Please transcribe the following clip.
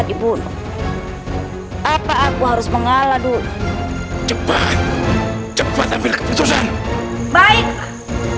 ibu apa aku harus mengalah dulu cepat cepat ambil keputusan baiklah